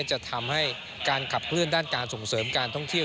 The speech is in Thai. จะทำให้การขับเคลื่อนด้านการส่งเสริมการท่องเที่ยว